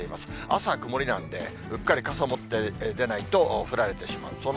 朝曇りなんで、うっかり傘持って出ないと、降られてしまう。